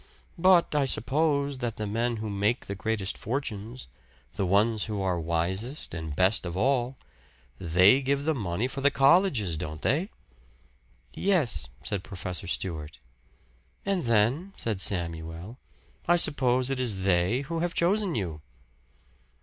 "But I suppose that the men who make the great fortunes the ones who are wisest and best of all they give the money for the colleges, don't they?" "Yes," said Professor Stewart. "And then," said Samuel, "I suppose it is they who have chosen you?"